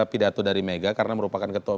pidato dari mega karena merupakan ketua